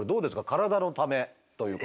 体のためということ。